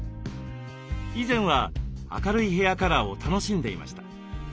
以前は明るいヘアカラーを楽しんでいました。